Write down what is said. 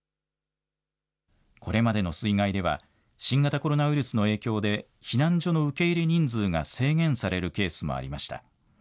これまでの水害では新型コロナウイルスの影響で避難所の受け入れ人数が制限されるケースもありました。